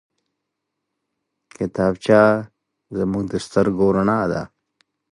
کتابچه زموږ د سترګو رڼا ده